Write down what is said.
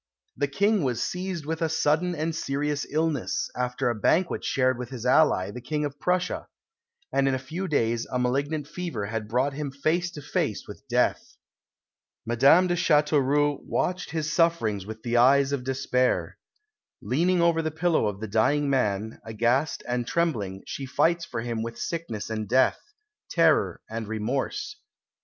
The King was seized with a sudden and serious illness, after a banquet shared with his ally, the King of Prussia; and in a few days a malignant fever had brought him face to face with death. Madame de Chateauroux watched his sufferings with the eyes of despair. "Leaning over the pillow of the dying man, aghast and trembling, she fights for him with sickness and death, terror and remorse."